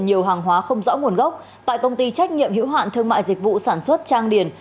nhiều hàng hóa không rõ nguồn gốc tại công ty trách nhiệm hữu hạn thương mại dịch vụ sản xuất trang điền